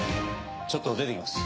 「ちょっと出てきます」